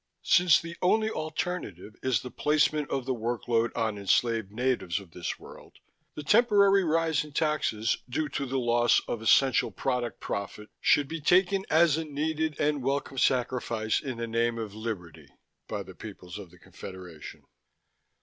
Since the only alternative is the placement of the workload on enslaved natives of this world, the temporary rise in taxes due to the loss on essential product profit should be taken as a needed and welcome sacrifice in the name of liberty by the peoples of the Confederation....